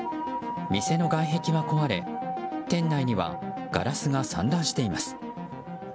店の外壁は壊れ、店内にはガラスが散乱しています。